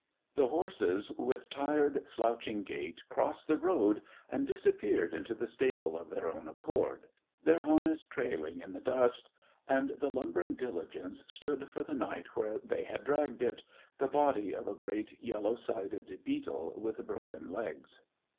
The horses, with tired, slouching gait, crossed the road and disappeared into the stable of their own accord, their harness trailing in the dust; and the lumbering diligence stood for the night where they had dragged it the body of a great yellow sided beetle with broken legs.